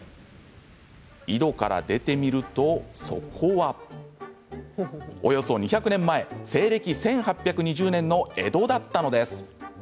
井戸から出てみるとそこは、およそ２００年前西暦１８２０年の江戸だったのです。